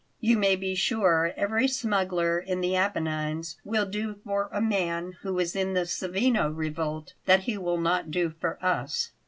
You may be sure every smuggler in the Apennines will do for a man who was in the Savigno revolt what he will not do for us.